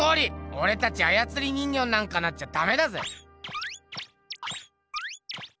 おれたちあやつり人形になんかなっちゃダメだぜ！